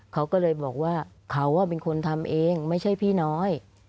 เขาก็เลยบอกว่าเขาเป็นคนทำเองไม่ใช่พี่น้อย